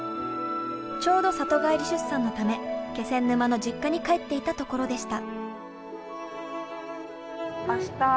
ちょうど里帰り出産のため気仙沼の実家に帰っていたところでした。